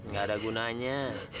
gak ada gunanya